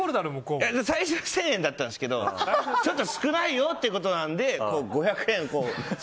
最初は１０００円だったんですけどちょっと少ないよということなので５００円を。